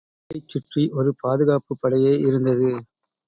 அவரைச் சுற்றி ஒரு பாதுகாப்புப் படையே இருந்தது.